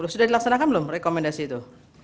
sudah dilaksanakan belum rekomendasi itu